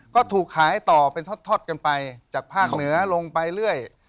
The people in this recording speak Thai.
ก็ถูกขายต่อเป็นทอดกันไปจากภาคเหนือลงไปเรื่อย